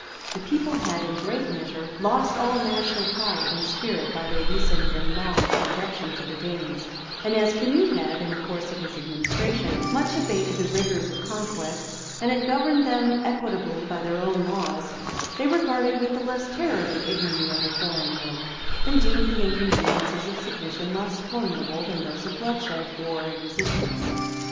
The people had in a great measure lost all national pride and spirit by their recent and long subjection to the Danes; and as Canute had, in the course of his administration, much abated the rigors of conquest, and had governed them equitably by their own laws, they regarded with the less terror the ignominy of a foreign yoke, and deemed the inconveniences of submission less formidable than those of bloodshed, war, and resistance.